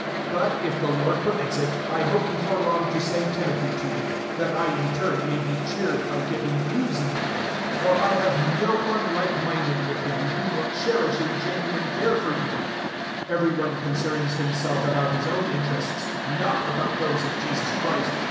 002:019 But, if the Lord permits it, I hope before long to send Timothy to you, that I, in turn, may be cheered by getting news of you. 002:020 For I have no one likeminded with him, who will cherish a genuine care for you. 002:021 Everybody concerns himself about his own interests, not about those of Jesus Christ.